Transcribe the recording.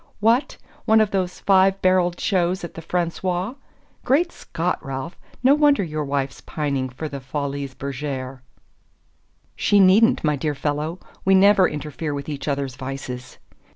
"What? One of those five barrelled shows at the Français? Great Scott, Ralph no wonder your wife's pining for the Folies Bergère!" "She needn't, my dear fellow. We never interfere with each other's vices."